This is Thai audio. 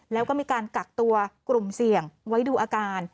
แล้วก็มีการกักตัวกลุ่มเสี่ยงไว้ดูอาการ